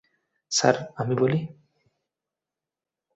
Sir, আমি বলি?